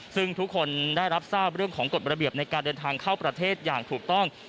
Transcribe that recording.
ซึ่งทุกคนได้รับทราบเรื่องของกฎระเบียบในการเดินทางเข้าประเทศอย่างถูกต้อง